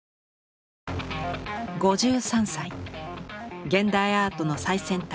５３歳現代アートの最先端